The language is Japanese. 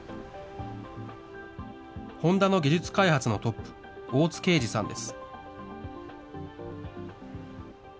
ホンダの技術開発のトップ、大津啓司さんです。